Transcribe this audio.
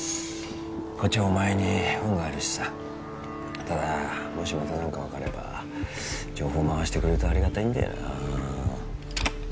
こっちもお前に恩があるしさただもしまた何か分かれば情報回してくれるとありがたいんだよな